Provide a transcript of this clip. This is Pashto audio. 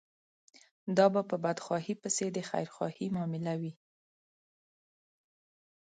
دا به په بدخواهي پسې د خيرخواهي معامله وي.